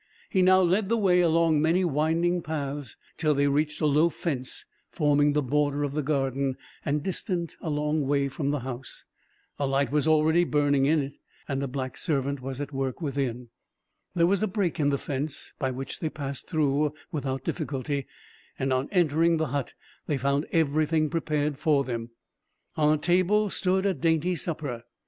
He now led the way, along many winding paths, till they reached a low fence forming the border of the garden, and distant a long way from the house. A light was already burning in it, and a black servant was at work within. There was a break in the fence, by which they passed through without difficulty; and on entering the hut, they found everything prepared for them. On a table stood a dainty supper.